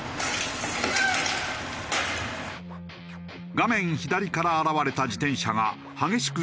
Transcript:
画面左から現れた自転車が激しく衝突。